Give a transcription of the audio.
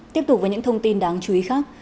tiếp tục với những thông tin đáng chú ý khác